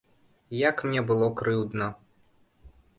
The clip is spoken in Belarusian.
Як мне было крыўдна.